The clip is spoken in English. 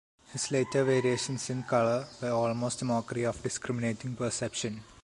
His later variations in color were almost a mockery of discriminating perception.